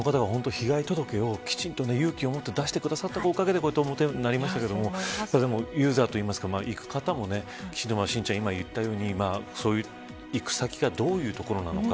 この方が被害届をきちんと勇気を持って出してくださったおかげでこうなりましたがユーザーと言いますか行く方も心ちゃんが言ったように行く先がどういうところなのか。